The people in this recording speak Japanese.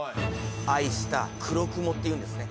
愛した「黒雲」っていうんですね